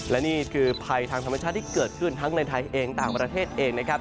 และนี่คือภัยทางธรรมชาติที่เกิดขึ้นทั้งในไทยเองต่างประเทศเองนะครับ